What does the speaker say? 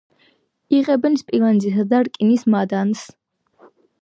იღებენ სპილენძისა და რკინის მადანს.